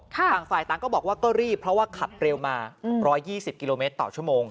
ต่างฝ่ายต่างก็บอกว่าก็รีบเพราะว่าขับเร็วมา๑๒๐กิโลเมตรต่อชั่วโมง